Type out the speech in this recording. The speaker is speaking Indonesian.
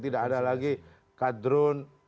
tidak ada lagi kadrun